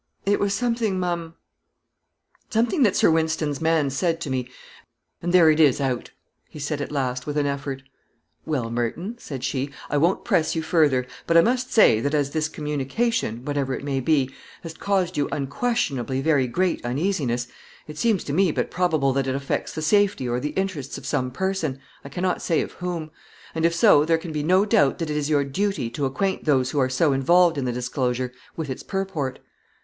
"It was something, ma'am something that Sir Wynston's man said to me; and there it is out," he said at last, with an effort. "Well, Merton," said she, "I won't press you further; but I must say, that as this communication, whatever it may be, has caused you, unquestionably, very great uneasiness, it seems to me but probable that it affects the safety or the interests of some person I cannot say of whom; and, if so, there can be no doubt that it is your duty to acquaint those who are so involved in the disclosure, with its purport."